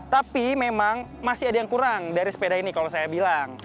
tapi memang masih ada yang kurang dari sepeda ini kalau saya bilang